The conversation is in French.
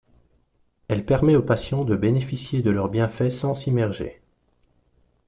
Elle permet au patient de bénéficier de leurs bienfaits sans s'immerger.